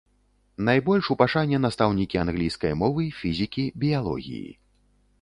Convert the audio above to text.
Найбольш у пашане настаўнікі англійскай мовы, фізікі, біялогіі.